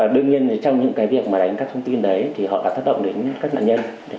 đương nhiên trong những việc đánh các thông tin đấy thì họ đã thất động đến các nạn nhân